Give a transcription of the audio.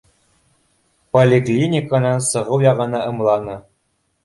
Поликлиниканан сығыу яғына ымланы.